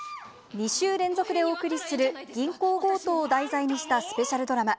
２週連続でお送りする銀行強盗を題材にしたスペシャルドラマ。